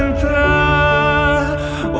engkau jauh di situ